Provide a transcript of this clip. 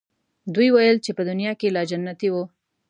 دوی ویل چې په دنیا کې لا جنتیی وو.